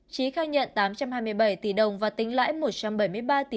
trí khai nhận tám trăm hai mươi bảy tỷ đồng và tính lãi một trăm bảy mươi